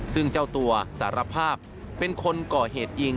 ซึ่งเจ้าตัวสารภาพเป็นคนก่อเหตุยิง